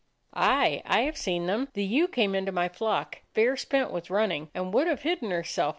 "Aye, I have seen them. The ewe came into my flock, fair spent with running, and would have hidden herself.